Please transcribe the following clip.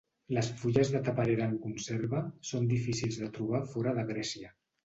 Les fulles de taperera en conserva són difícils de trobar fora de Grècia.